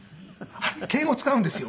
敬語使うんですよ